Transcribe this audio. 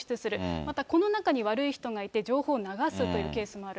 またこの中に悪い人がいて、情報を流すというケースもある。